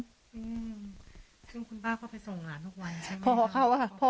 ซึ่งคุณป้าก็ไปส่งหลานทุกวันใช่ไหมครับ